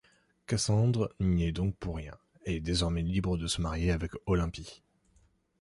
Cassandre n'y est donc pour rien, est désormais libre de se marier avec Olympie.